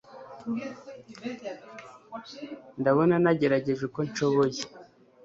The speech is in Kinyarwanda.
ndabona nagerageje uko nshoboye